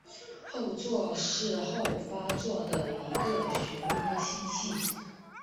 后者是后发座的一个旋涡星系。